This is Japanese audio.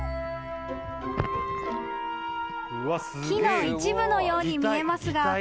［木の一部のように見えますが］